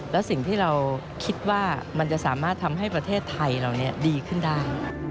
และสิ่งที่เราคิดว่ามันจะสามารถทำให้ประเทศไทยเราดีขึ้นได้